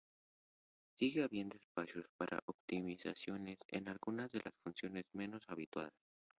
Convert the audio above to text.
Sigue habiendo espacio para optimizaciones en algunas de las funciones menos habituales.